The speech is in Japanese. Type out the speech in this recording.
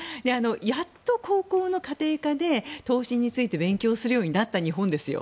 やっと高校の家庭科で投資について勉強するようになった日本ですよ。